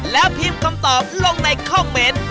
แล้วพิมพ์คำตอบลงในคอมเมนต์